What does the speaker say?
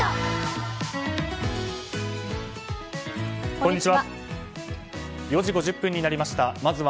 こんにちは。